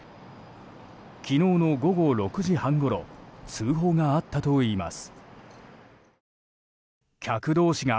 昨日の午後６時半ごろ通報があったといいます。